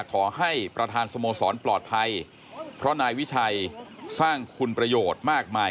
ขอให้ประธานสโมสรปลอดภัยเพราะนายวิชัยสร้างคุณประโยชน์มากมาย